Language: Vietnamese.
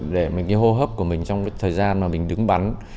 để mình cái hô hấp của mình trong cái thời gian mà mình đứng bắn